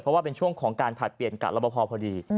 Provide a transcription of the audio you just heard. เพราะว่าเป็นช่วงของการผลัดเปลี่ยนกับรับประพอพอดี